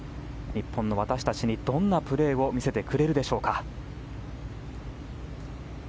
日本の私たちにどんなプレーを見せてくれるでしょうか。